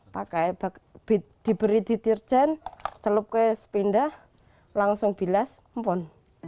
pakai diberi deterjen celupkan sepindah langsung bilas mpun